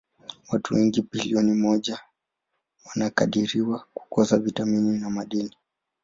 Watu wengine bilioni moja wanakadiriwa kukosa vitamini na madini.